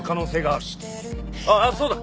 あっそうだ！